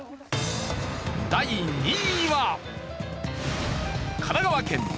第２位は。